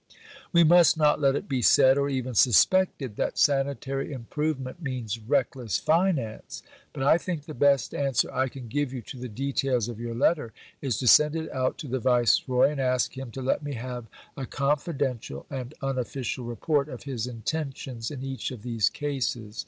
We must not let it be said, or even suspected, that sanitary improvement means reckless finance.... But I think the best answer I can give you to the details of your letter is to send it out to the Viceroy, and ask him to let me have a confidential and unofficial report of his intentions in each of these cases.